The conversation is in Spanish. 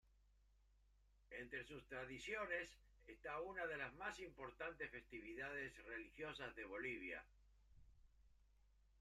Entre sus tradiciones está una de las más importantes festividades religiosas de Bolivia.